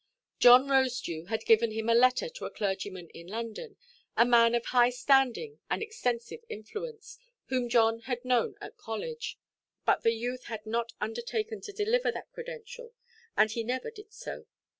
John Rosedew had given him a letter to a clergyman in London, a man of high standing and extensive influence, whom John had known at college. But the youth had not undertaken to deliver that credential, and he never did so.